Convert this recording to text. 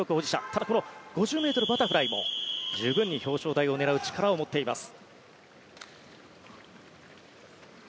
ただ、５０ｍバタフライも十分、表彰台を狙う力を持っています。